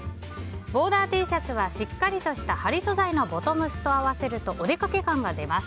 ボーダーＴシャツはしっかりとした張り素材のボトムスと合わせるとお出かけ感が出ます。